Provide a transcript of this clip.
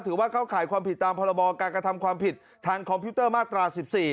เข้าข่ายความผิดตามพรบการกระทำความผิดทางคอมพิวเตอร์มาตรา๑๔